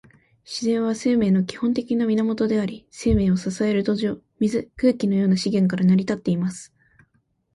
自然は、生命の基本的な源であり、生命を支える土壌、水、空気のような資源から成り立っています。